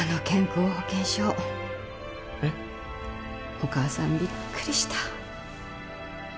お母さんびっくりした。